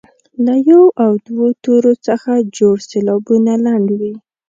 له یو او دوو تورو څخه جوړ سېلابونه لنډ وي.